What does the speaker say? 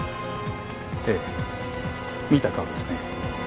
ええ見た顔ですね。